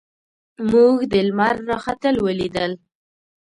موږ د لمر راختل ولیدل.